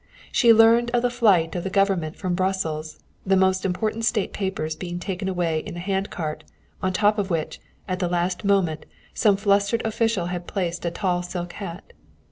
She learned of the flight of the government from Brussels, the most important state papers being taken away in a hand cart, on top of which, at the last moment, some flustered official had placed a tall silk hat!